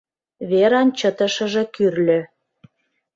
— Веран чытышыже кӱрльӧ.